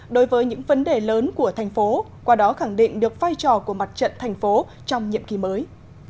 đối với những vấn đề lớn của thành phố qua đó khẳng định được vai trò của mặt trận thành phố trong nhiệm kỳ mới